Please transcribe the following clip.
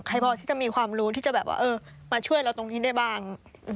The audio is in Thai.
ใครพอที่จะมีความรู้ที่จะมาช่วยเราตรงที่ได้บ้าง